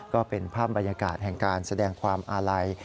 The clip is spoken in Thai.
ก็เป็นภาพบรรยากาศแห่งการแสดงความอาลัย